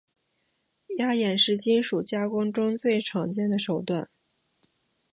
压延是金属加工中最常用的手段。